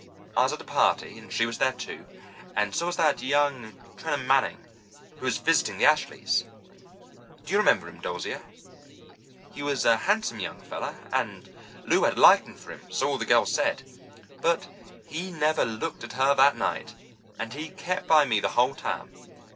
I was at a party, and she was there too, and so was that young Trenham Manning, who was visiting the Ashleys. Do you remember him, Dosia? He was a handsome young fellow, and Lou had a liking for him, so all the girls said. But he never looked at her that night, and he kept by me the whole time.